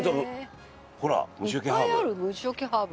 ほら虫よけハーブ。